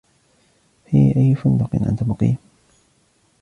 في أي فندق أنت مقيم؟